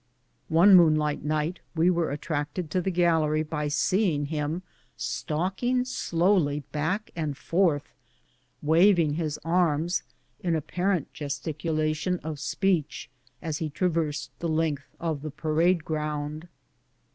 One moonlight night we were attracted to the gal lery by seeing him stalking slowly back and forth, wav ing his arras in apparent gesticulation of speech as he traversed the length of the parade ground.